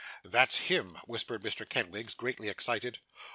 'That's him,' whispered Mr. Kenwigs, greatly excited.